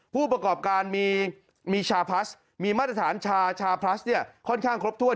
ผู้ประกอบการมีชาพลัสมีมาตรฐานชาชาพลัสเนี่ยค่อนข้างครบถ้วน